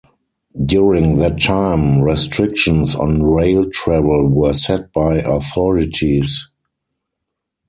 During that time restrictions on rail travel were set by authorities.